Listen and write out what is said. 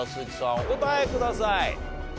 お答えください。